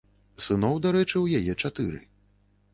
Сыноў, дарэчы, у яе чатыры.